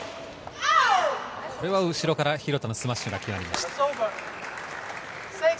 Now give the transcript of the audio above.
これは後から廣田のスマッシュが決まりました。